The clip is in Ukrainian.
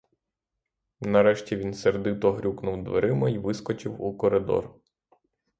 Нарешті він сердито грюкнув дверима й вискочив у коридор.